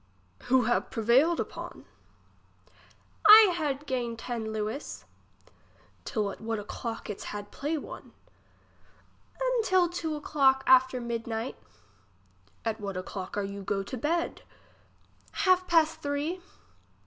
Who have prevailed upon ? I had gained ten lewis. Till at what o'clock its had play one ? Un till two o'clock after mid night At what o'clock are you go to bed. Half pass three.